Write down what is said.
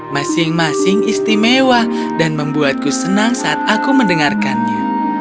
masing masing istimewa dan membuatku senang saat aku mendengarkannya